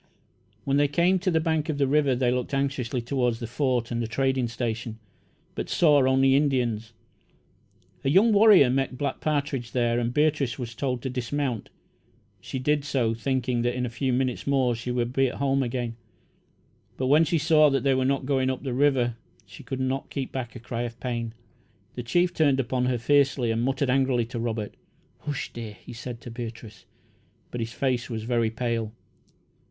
When they came to the bank of the river, they looked anxiously toward the Fort and the trading station, but saw only Indians. A young warrior met Black Partridge here, and Beatrice was told to dismount. She did so, thinking that in a few minutes more she would be at home again, but when she saw that they were not going up the river she could not keep back a cry of pain. The chief turned upon her fiercely, and muttered angrily to Robert. "Hush, dear!" he said to Beatrice, but his face was very pale.